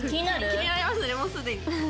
気になりますねもうすでに。